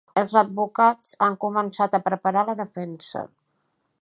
Els advocats han començat a preparar la defensa.